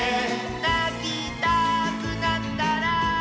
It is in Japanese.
「なきたくなったら」